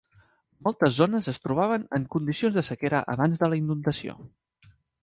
Moltes zones es trobaven en condicions de sequera abans de la inundació.